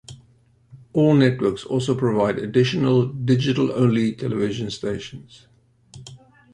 All networks also provide additional digital only television stations.